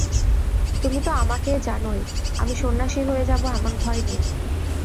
তুমি তো আমাকে জানই, আমি সন্ন্যাসী হয়ে যাব এমন ভয় নেই।